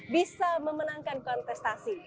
bisa memenangkan konvestasi